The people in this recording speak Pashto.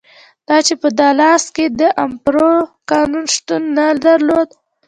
دا چې په دالاس کې د امپارو قانون شتون نه درلود.